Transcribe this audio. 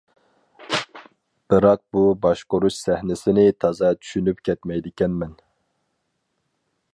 بىراق بۇ باشقۇرۇش سەھنىسىنى تازا چۈشىنىپ كەتمەيدىكەنمەن.